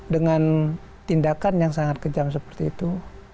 dengan tindakan yang sangat kejam seperti itu